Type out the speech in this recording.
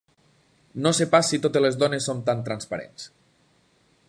No sé pas si totes les dones som tan transparents.